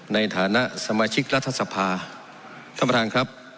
ในฐานะสมาชิกรัฐสภาท่านประธานครับ